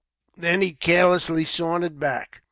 Then he carelessly sauntered back.